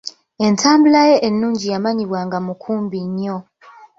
Entambula ye ennungi yamanyibwa nga mukumbi nnyo.